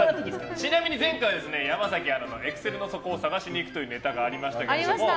ちなみに前回、山崎アナのエクセルの底を探しに行くというネタがありましたけれども「＃